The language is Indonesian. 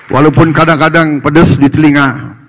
walaupun kadang kadang pedes di telinga